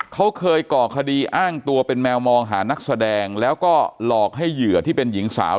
เขาเคยก่อคดีอ้างตัวเป็นแมวมองหานักแสดงแล้วก็หลอกให้เหยื่อที่เป็นหญิงสาว